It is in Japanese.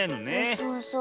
そうそう。